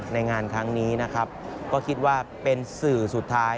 ในงานครั้งนี้นะครับก็คิดว่าเป็นสื่อสุดท้าย